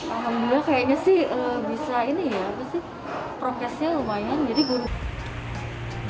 alhamdulillah kayaknya sih bisa ini ya prokesnya lumayan